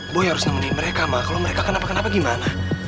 boy harus nemenin mereka mbak kalau mereka kenapa kenapa gimana